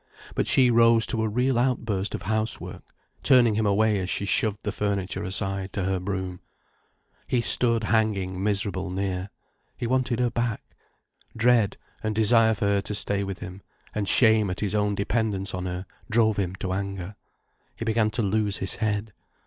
But she rose to a real outburst of house work, turning him away as she shoved the furniture aside to her broom. He stood hanging miserable near. He wanted her back. Dread, and desire for her to stay with him, and shame at his own dependence on her drove him to anger. He began to lose his head.